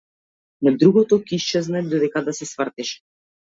Но другото ќе исчезне додека да се свртиш.